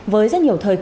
với rất nhiều thời gian